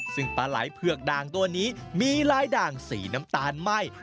ซึ่งปลาไหล่เผือกด่างตัวนี้มีลายด่างสีน้ำตาลไหม้